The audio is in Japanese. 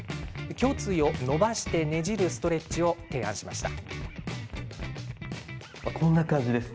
胸椎を伸ばしてねじるストレッチを提案しました。